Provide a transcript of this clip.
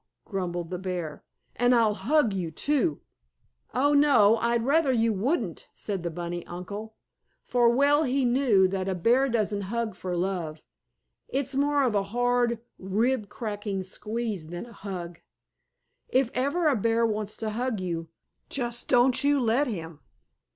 grumbled the bear. "And I'll hug you, too!" "Oh, no! I'd rather you wouldn't!" said the bunny uncle. For well he knew that a bear doesn't hug for love. It's more of a hard, rib cracking squeeze than a hug. If ever a bear wants to hug you, just don't you let him.